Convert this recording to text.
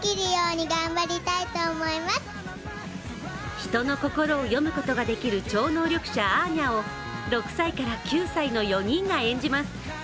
人の心を読むことができる超能力者・アーニャを６歳から９歳の４人が演じます。